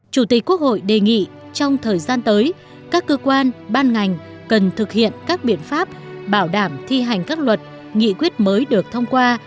chủ tịch quốc hội đề nghị trong thời gian tới các cơ quan ban ngành cần thực hiện các biện pháp bảo đảm thi hành các luật nghị quyết mới được thông qua